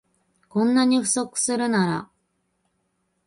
こんなに不足するなら